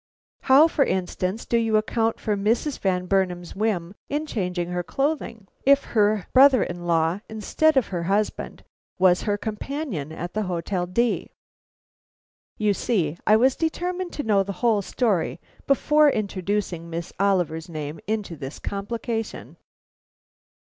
How, for instance, do you account for Mrs. Van Burnam's whim in changing her clothing, if her brother in law, instead of her husband, was her companion at the Hotel D ?" You see I was determined to know the whole story before introducing Miss Oliver's name into this complication.